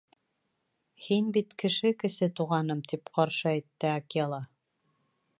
— Һин бит кеше, Кесе Туғаным, — тип ҡаршы әйтте Акела.